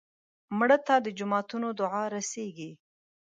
مړه ته د جوماتونو دعا رسېږي